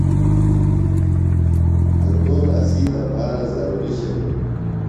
انگور اسی دپارہ ضروی شئی۔